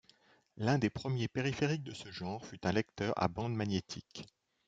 L’un des premiers périphériques de ce genre fut un lecteur à bande magnétique.